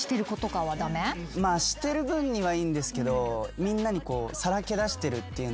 まあしてる分にはいいんですけど。